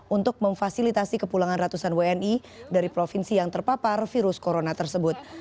untuk memfasilitasi kepulangan ratusan wni dari provinsi yang terpapar virus corona tersebut